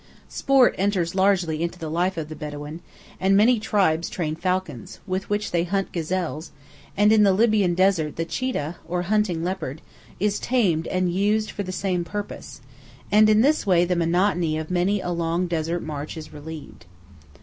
Sport enters largely into the life of the Bedawīn, and many tribes train falcons, with which they hunt gazelles, and in the Lybian desert the "cheetah," or hunting leopard, is tamed and used for the same purpose, and in this way the monotony of many a long desert march is relieved.